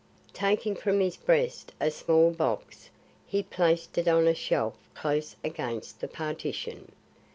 Taking from his breast a small box, he placed it on a shelf close against the partition.